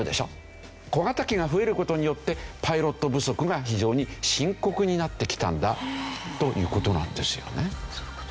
小型機が増える事によってパイロット不足が非常に深刻になってきたんだという事なんですよね。